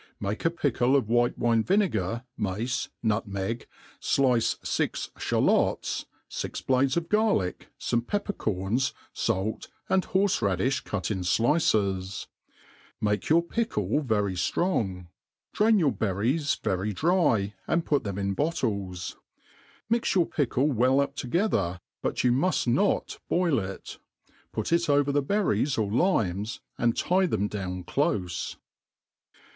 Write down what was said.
Make a pickle of white wine vinegar, mace, nutmeg, flice fix (halots, fix blades of garlick, fome pepper corns, fait, and horfe radifh cut in flices. Make your pickle very ftrong > drain your ber ries MADE PLAIN AND EASY. 177 ries very dry, and put them in bottles. Mix your pickle well up together, but you muft not boil it; put it over the berries or limes J and tie them down clofe.